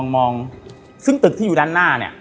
มองซึ่งตึกที่อยู่ด้านหน้าเนี่ย